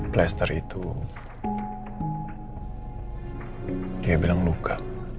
plaster itu dia bilang luka